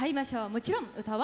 もちろん歌は。